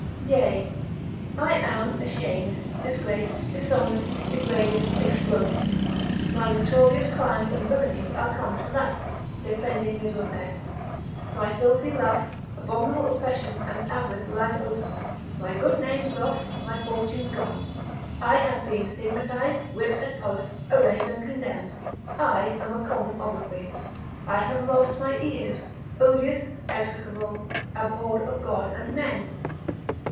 Yea, but I am ashamed, disgraced, dishonoured, degraded, exploded: my notorious crimes and villainies are come to light (deprendi miserum est), my filthy lust, abominable oppression and avarice lies open, my good name's lost, my fortune's gone, I have been stigmatised, whipped at post, arraigned and condemned, I am a common obloquy, I have lost my ears, odious, execrable, abhorred of God and men.